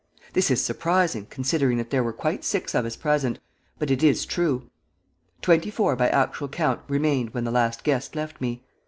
This is surprising, considering that there were quite six of us present, but it is true. Twenty four by actual count remained when the last guest left me.